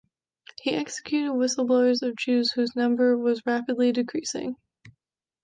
He executed whistleblowers of Jews whose number was rapidly decreasing.